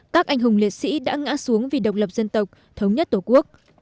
các anh hùng liệt sĩ đã ngã xuống vì độc lập dân tộc thống nhất tổ quốc